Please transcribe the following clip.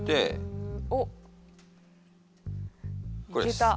いけた。